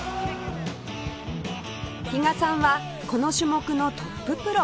比嘉さんはこの種目のトッププロ